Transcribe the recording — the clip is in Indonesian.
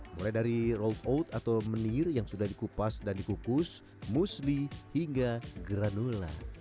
mulai dari roll oat atau menir yang sudah dikupas dan dikukus musli hingga granula